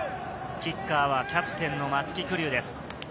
キッカーはキャプテンの松木玖生です。